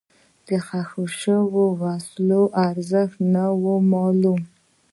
د ښخ شوو وسلو ارزښت نه و معلوم.